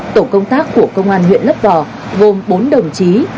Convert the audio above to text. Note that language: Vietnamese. tổ công tác của công an huyện lấp vò gồm bốn đồng chí